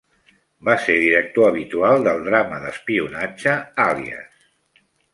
Va ser director habitual del drama d'espionatge "Alias".